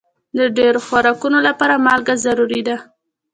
د ډېرو خوراکونو لپاره مالګه ضروري ده.